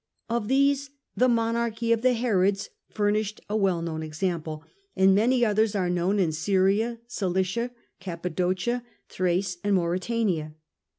Of these the monarchy of the Herods furnished a well known example, and many others are known in Syria, Cilicia, Cappadocia, Thrace, and Mauretania.